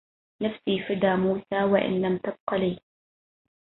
نفسي فدى موسى وإن لم تبق لي